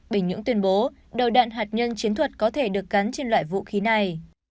đầu đạn hạt nhân chiến thuật có thể được cắn trên loại vũ khí này